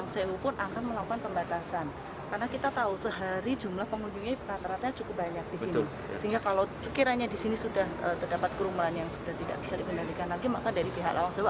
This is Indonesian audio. sehingga masyarakat memang lebih efektif apabila memesan tiket terlebih dahulu